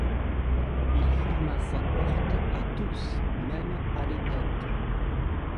Il ferma sa porte à tous, même à l’évêque.